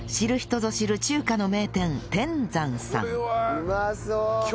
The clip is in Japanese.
うまそう！